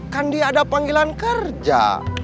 kan dia ada panggilan kerja